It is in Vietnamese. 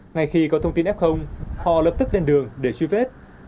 ngay khi có thông tin f họ lập tức lên đường để truy vết